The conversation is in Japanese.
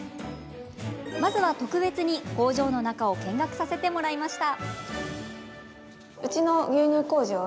まずは特別に、工場の中を見学させてもらいました。